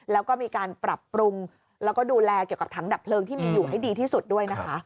แล้วก็มีการปรับปรุงแล้วก็ดูแลเกี่ยวกับถังดับเพลิงที่มีอยู่ให้ดีที่สุดด้วยนะคะ